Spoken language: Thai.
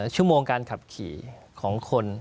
ชั่วโมงการขับขี่ของคน